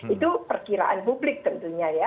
itu perkiraan publik tentunya ya